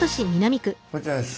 こちらです。